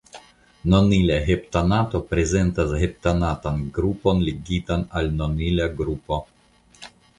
Nonila heptanato prezentas heptanatan grupon ligitan al nonila grupo.